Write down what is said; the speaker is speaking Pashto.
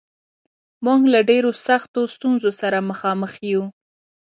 موږ له ډېرو سختو ستونزو سره مخامخ یو